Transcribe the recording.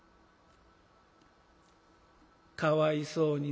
「かわいそうにな。